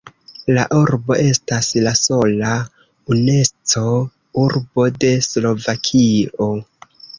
La urbo estas la sola „Unesco-urbo“ de Slovakio.